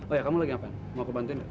oh ya kamu lagi ngapain mau aku bantuin nggak